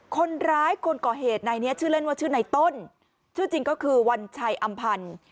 คนร้ายคนก่อเหตุในนี้ชื่อเล่นว่าชื่อในต้นชื่อจริงก็คือวันชัยอำพันธ์